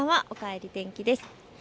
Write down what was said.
おかえり天気です。